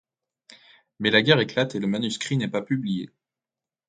Mais la guerre éclate et le manuscrit n'est pas publié.